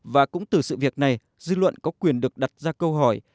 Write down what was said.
và cũng từ sự việc này dư luận có quyền được đặt ra câu hỏi